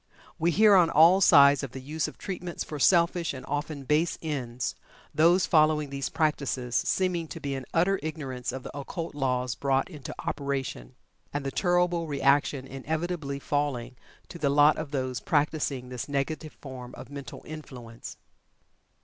We hear on all sides of the use of "treatments" for selfish and often base ends, those following these practices seeming to be in utter ignorance of the occult laws brought into operation, and the terrible reaction inevitably falling to the lot of those practicing this negative form of mental influence.